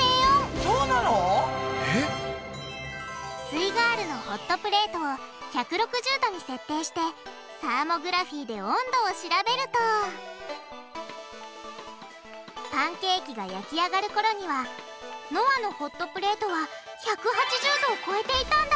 イガールのホットプレートを１６０℃に設定してサーモグラフィーで温度を調べるとパンケーキが焼き上がるころにはのあのホットプレートは１８０℃を超えていたんだ！